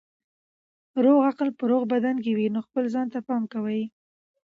روغ عقل په روغ بدن کې وي نو خپل ځان ته پام کوئ.